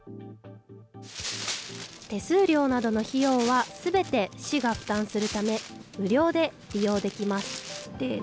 手数料などの費用はすべて市が負担するため、無料で利用できます。